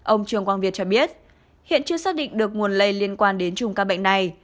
ông trương quang việt cho biết hiện chưa xác định được nguồn lây liên quan đến chung các bệnh này